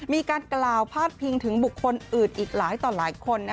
มีการกล่าวพาดพิงถึงบุคคลอื่นอีกหลายต่อหลายคน